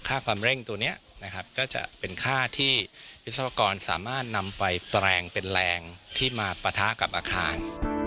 ความเร่งตัวนี้นะครับก็จะเป็นค่าที่วิศวกรสามารถนำไปแปลงเป็นแรงที่มาปะทะกับอาคาร